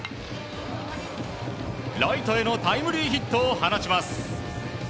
ライトへのタイムリーヒットを放ちます。